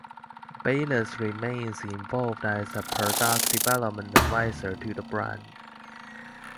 Bayless remains involved as a product-development advisor to the brand.